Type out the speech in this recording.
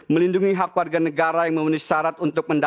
melindungi hak warga negara yang memenuhi syarat untuk mendapatkan